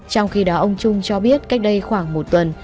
trong khi đó ông trung cho biết cách đây khoảng một tuần